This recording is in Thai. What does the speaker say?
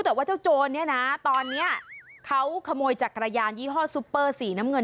แต่ว่าเจ้าโจรเนี่ยนะตอนนี้เขาขโมยจักรยานยี่ห้อซุปเปอร์สีน้ำเงิน